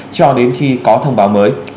cho đến khi có thông báo mới